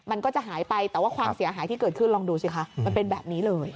มันก็จะหายไปแต่ว่าความเสียหายที่เกิดขึ้นลองดูสิคะมันเป็นแบบนี้เลย